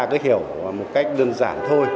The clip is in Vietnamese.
cứ hiểu một cách đơn giản thôi